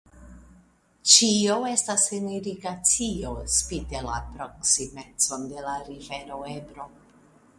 Ĉio estas sen irigacio spite la proksimecon de la rivero Ebro.